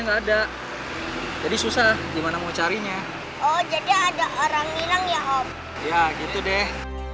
nggak ada jadi susah gimana mau carinya oh jadi ada orang hilang ya om ya gitu deh